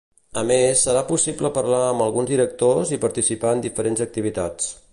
A més, serà possible parlar amb alguns directors i participar en diferents activitats.